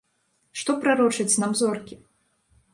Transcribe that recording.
Што прарочаць нам зоркі?